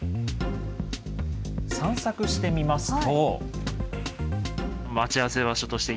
散策してみますと。